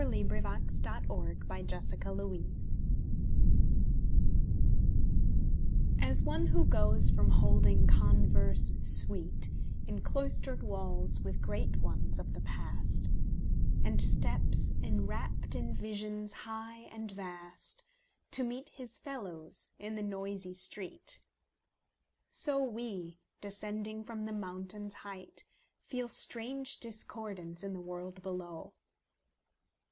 William Reed Huntington Lowlands AS one who goes from holding converse sweet In cloistered walls with great ones of the past, And steps, enwrapt in visions high and vast, To meet his fellows in the noisy street; So we, descending from the mountain's height, Feel strange discordance in the world below.